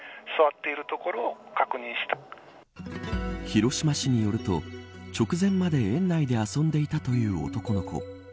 広島市によると直前まで園内で遊んでいたという男の子。